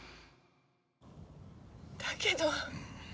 だけど。